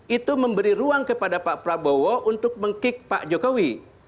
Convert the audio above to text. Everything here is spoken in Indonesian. itu memberi ruang kepada pak prabowo untuk meng kick pak jokowi